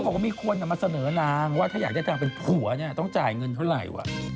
เขาบอกมีคนมาเสนอนางว่าถ้าอยากจะได้ตำนำเป็นผัวต้องจ่ายเงินเท่าไหร่